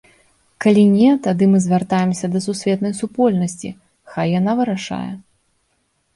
Калі не, тады мы звяртаемся да сусветнай супольнасці, хай яна вырашае.